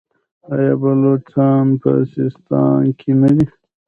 آیا بلوڅان په سیستان کې نه دي؟